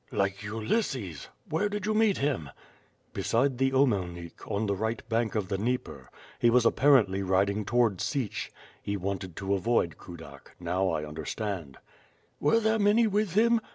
"Like Ulysses? Where did you meet him?'' "Beside the Omelnik, on the right bank of the Dnieper. He was apparently riding towards Sich. He wanted to avoid Kudak. Now I understand." '^ere there many with him?"